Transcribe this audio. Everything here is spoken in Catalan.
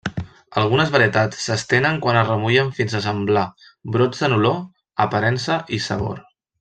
Algunes varietats s'estenen quan es remullen fins a semblar brots en olor, aparença i sabor.